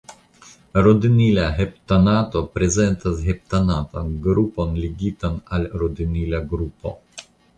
Rodinila heptanato prezentas heptanatan grupon ligitan al rodinila grupo.